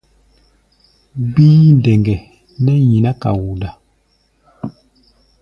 Gbíí ndɛŋgɛ nɛ́ nyiná kaoda.